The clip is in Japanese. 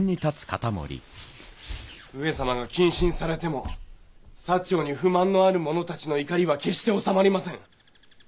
上様が謹慎されても長に不満のある者たちの怒りは決して収まりません。